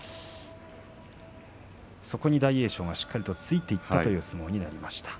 そこに大栄翔がしっかりついていったという立ち合いになりました。